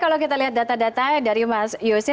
kalau kita lihat data data dari mas yose